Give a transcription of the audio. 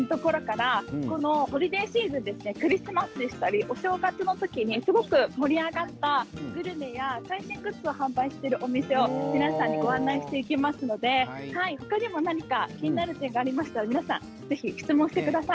このホリデーシーズンクリスマスだったりお正月の時にすごく盛り上がったグルメや最新グッズを販売しているお店を皆さんにご紹介していきますので他にも何か気になる点がありましたら皆さんぜひ質問してください。